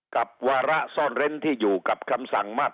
วาระซ่อนเร้นที่อยู่กับคำสั่งมาตร